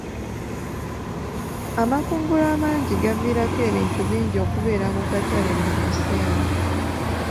Amakungula amangi gaviirako ebintu bingi okubeera ku katale buli kaseera.